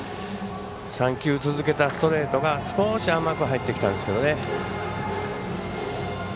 ３球続けたストレートが少し甘く入ってきたんですけどね。